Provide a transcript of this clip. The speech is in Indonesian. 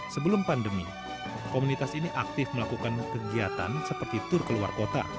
sebelum pandemi komunitas ini aktif melakukan kegiatan seperti tur keluar kota